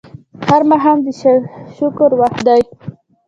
هر ماښام د شکر وخت دی